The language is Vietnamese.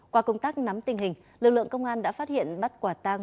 qua công tác nắm tình hình lực lượng công an đã phát hiện bắt quả tang